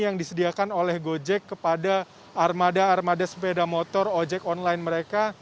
yang disediakan oleh gojek kepada armada armada sepeda motor ojek online mereka